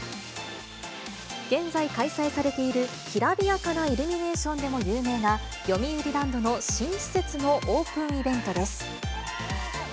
現在開催されているきらびやかなイルミネーションでも有名な、よみうりランドの新施設のオープンイベントです。